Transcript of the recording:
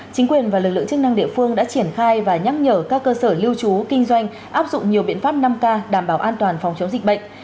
chính quyền và lực lượng chức năng địa phương đã triển khai và nhắc nhở các cơ sở lưu trú kinh doanh áp dụng nhiều biện pháp năm k đảm bảo an toàn phòng chống dịch bệnh